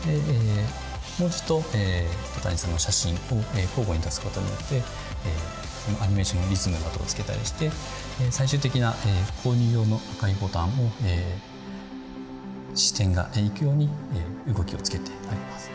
文字と戸谷さんの写真を交互に出すことによってアニメーションのリズムなどをつけたりして最終的な購入用の赤いボタンを視点が行くように動きをつけてあります。